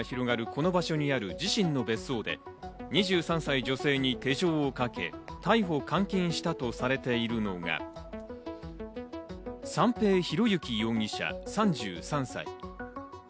この場所にある自身の別荘で２３歳女性に手錠かけ、逮捕監禁したとされているのが三瓶博幸容疑者、３３歳。